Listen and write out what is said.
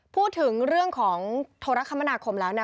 พูดถึงเรื่องของโทรคมนาคมแล้ว